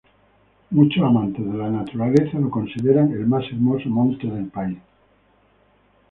Muchos amantes de la naturaleza lo consideran el más hermoso monte del país.